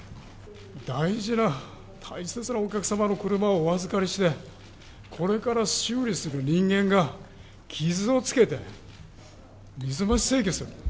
大事な、大切なお客様の車をお預かりして、これから修理する人間が、傷をつけて、水増し請求する。